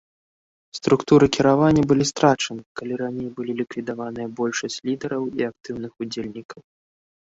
Структуры кіравання былі страчаныя, калі раней былі ліквідаваныя большасць лідараў і актыўных удзельнікаў.